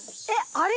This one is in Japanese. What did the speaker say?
あれ？